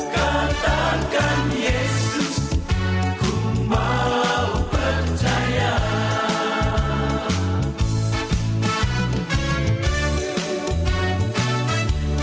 katakan yesus ku mau percaya